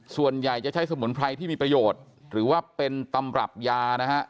ส่วนใหญ่จะใช้สมุนไพรที่มีประโยชน์หรือว่าเป็นตำรับยานะฮะ